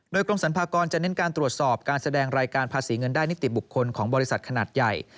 โดยกรมสรรพากรจะเน้นการตรวจสอบการแสดงรายการภาษีเงินได้นิติบุคคลของบริษัทขนาดใหญ่